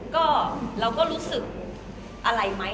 ก็เราก็รู้สึกอะไรไหม